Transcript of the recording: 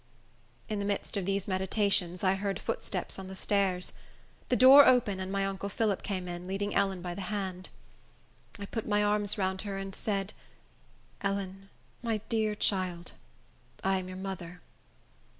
In the midst of these meditations, I heard footsteps on the stairs. The door opened, and my uncle Phillip came in, leading Ellen by the hand. I put my arms round her, and said, "Ellen, my dear child, I am your mother."